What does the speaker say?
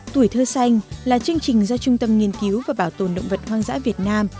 tuổi thơ xanh là chương trình do trung tâm nghiên cứu và bảo tồn động vật hoang dã việt nam